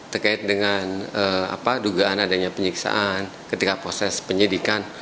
terkait dengan dugaan adanya penyiksaan ketika proses penyidikan